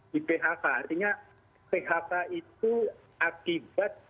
di phk artinya phk itu akibat